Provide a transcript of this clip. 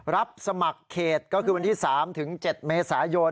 รับสมัครเขตก็คือวันที่๓ถึง๗เมษายน